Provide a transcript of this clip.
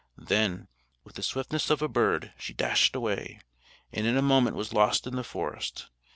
Then, with the swiftness of a bird, she dashed away, and in a moment was lost in the forest.